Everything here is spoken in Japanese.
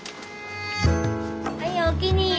はいおおきに。